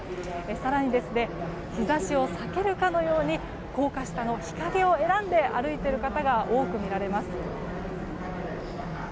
更に日差しを避けるかのように高架下の日陰を選んで歩いている方が多く見られます。